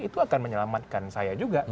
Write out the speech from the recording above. itu akan menyelamatkan saya juga